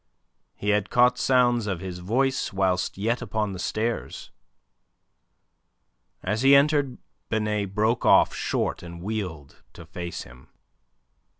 He had caught sounds of his voice whilst yet upon the stairs. As he entered Binet broke off short, and wheeled to face him.